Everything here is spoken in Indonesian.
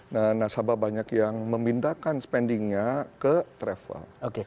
nah nasabah banyak yang memindahkan spendingnya ke travel